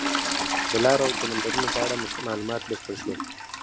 د لارو او سمندرونو په اړه معلومات بشپړ شول.